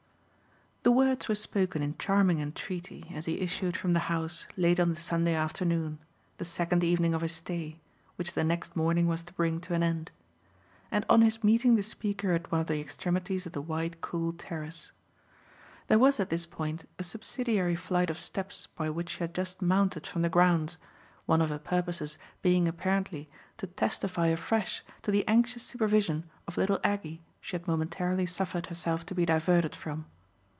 The words were spoken in charming entreaty as he issued from the house late on the Sunday afternoon the second evening of his stay, which the next morning was to bring to an end and on his meeting the speaker at one of the extremities of the wide cool terrace. There was at this point a subsidiary flight of steps by which she had just mounted from the grounds, one of her purposes being apparently to testify afresh to the anxious supervision of little Aggie she had momentarily suffered herself to be diverted from.